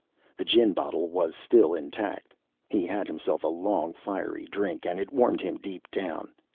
The gin bottle was still intact. He had himself a long fiery drink, and it warmed him deep down.